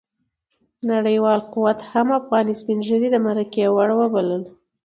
نړیوال قوت هم افغاني سپين ږيري د مرګي وړ وبلل.